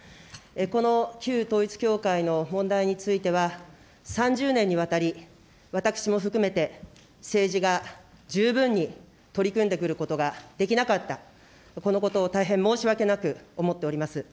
この旧統一教会の問題については、３０年にわたり、私も含めて、政治が十分に取り組んでくることができなかった、このことを大変申し訳なく思っております。